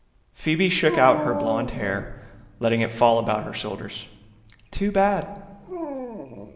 Phoebe shook out her blonde hair, letting it fall about her shoulders. "Too bad."